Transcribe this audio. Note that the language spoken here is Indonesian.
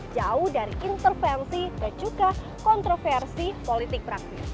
jauh dari intervensi dan juga kontroversi politik praktis